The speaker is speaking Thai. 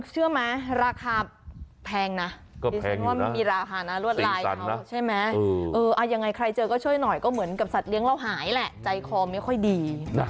เชื่อไหมราคาแพงนะดิฉันว่ามันมีราคานะรวดลายเขาใช่ไหมยังไงใครเจอก็ช่วยหน่อยก็เหมือนกับสัตว์เลี้ยงเราหายแหละใจคอไม่ค่อยดี